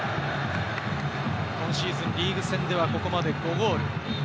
今シーズン、リーグ戦ではここまで５ゴール。